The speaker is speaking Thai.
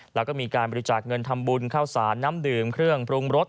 แล้วก็มีการบริจาคเงินทำบุญข้าวสารน้ำดื่มเครื่องปรุงรส